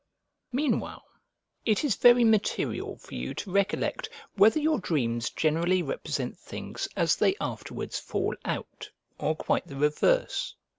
Meanwhile, it is very material for you to recollect whether your dreams generally represent things as they afterwards fall out, or quite the reverse.